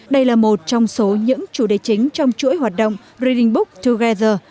đây là một trong số những chủ đề chính trong chuỗi hoạt động reading book together